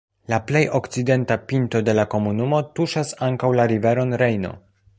La plej okcidenta pinto de la komunumo tuŝas ankaŭ la riveron Rejno.